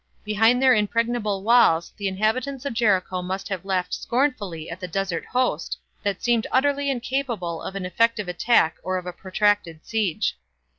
Behind their impregnable walls the inhabitants of Jericho must have laughed scornfully at the desert host, that seemed utterly incapable of an effective attack or of a protracted siege.